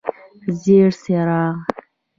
ژیړ څراغ: